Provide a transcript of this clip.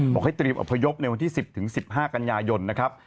ให้เตรียมอพยพในวันที่๑๐๑๕กันยายนนะครับ